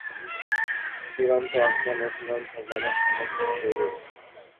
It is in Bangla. চূড়ান্ত অজ্ঞান ও চূড়ান্ত জ্ঞানের সম্বন্ধেও সেইরূপ।